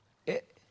え？